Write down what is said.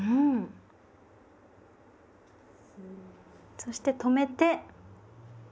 そして止めて。